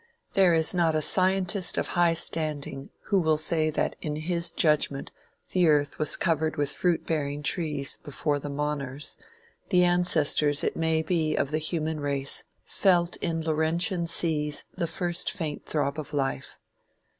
There is not a scientist of high standing who will say that in his judgment the earth was covered with fruit bearing trees before the moners, the ancestors it may be of the human race, felt in Laurentian seas the first faint throb of life.